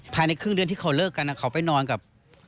ภายในครึ่งเดือนที่เขาเลิกกันเขาไปนอนกับ